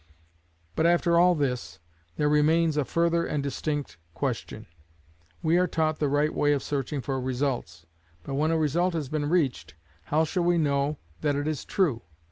But after all this, there remains a further and distinct question. We are taught the right way of searching for results, but when a result has been reached, how shall we know that it is true?